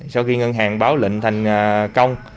sau khi ngân hàng báo lệnh thành công